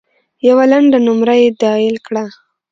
یوه لنډه نمره یې ډایل کړه .